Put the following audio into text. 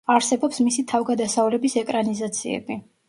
არსებობს მისი თავგადასავლების ეკრანიზაციები.